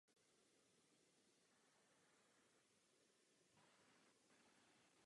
Filmy úspěšně reprezentovaly slovenskou kinematografii i v zahraničí.